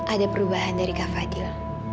ada perubahan dari kak fadil